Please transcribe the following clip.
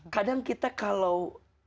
kadang kita kalau